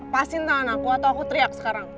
pasin tangan aku atau aku teriak sekarang